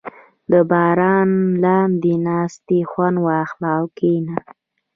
• د باران لاندې د ناستې خوند واخله، کښېنه.